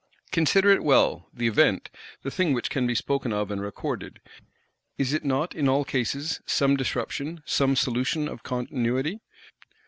Consider it well, the Event, the thing which can be spoken of and recorded, is it not, in all cases, some disruption, some solution of continuity?